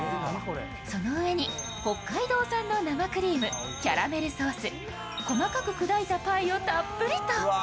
その上に北海道産の生クリーム、キャラメルソース細かく砕いたパイをたっぷりと。